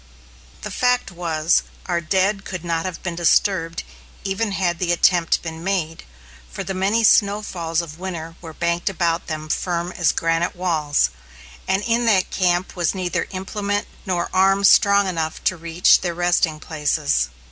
The fact was, our dead could not have been disturbed even had the attempt been made, for the many snowfalls of winter were banked about them firm as granite walls, and in that camp was neither implement nor arm strong enough to reach their resting places.